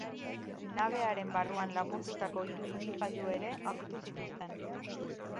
Nabearen barruan lapurtutako hiru ibilgailu ere aurkitu zituzten.